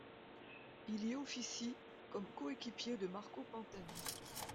Il y officie comme coéquipier de Marco Pantani.